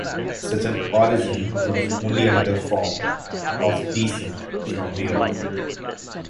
Such an origin was only another form of descent from the oak.